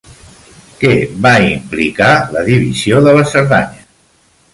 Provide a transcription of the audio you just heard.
Què va implicar la divisió de la Cerdanya?